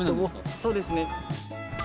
そうですね。